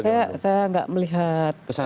saya tidak melihat